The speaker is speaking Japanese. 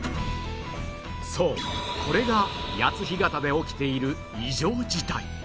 そうこれが谷津干潟で起きている異常事態